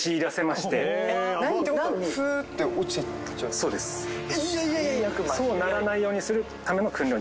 そうならないようにするための訓練を実施します。